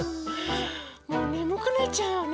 もうねむくなっちゃうよね。